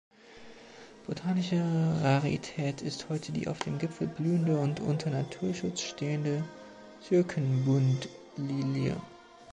Botanische Rarität ist heute die auf dem Gipfel blühende und unter Naturschutz stehende Türkenbundlilie.